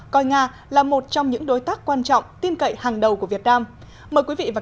coi nga là một trong những đối tác quan trọng tin cậy hàng đầu của việt nam